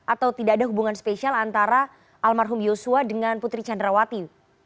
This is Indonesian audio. atau tidak ada hubungan spesial antara almarhum yosua dengan putri candrawati